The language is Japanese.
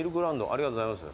ありがとうございます。